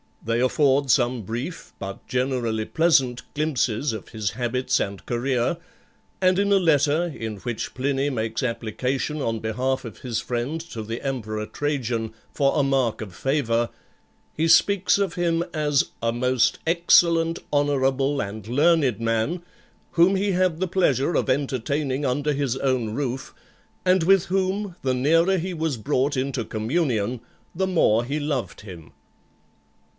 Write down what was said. They afford some brief, but generally pleasant, glimpses of his habits and career; and in a letter, in which Pliny makes application on behalf of his friend to the emperor Trajan, for a mark of favour, he speaks of him as "a most excellent, honourable, and learned man, whom he had the pleasure of entertaining under his own roof, and with whom the nearer he was brought into communion, the more he loved him."